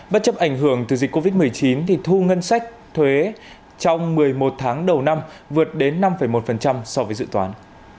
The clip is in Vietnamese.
bất chấp ảnh hưởng từ dịch covid một mươi chín thì thu ngân sách thuế trong một mươi một tháng đầu năm vượt đến năm một so với dự toán